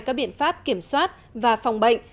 các biện pháp kiểm soát và phòng bệnh